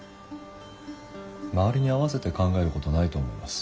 周りに合わせて考えることないと思います。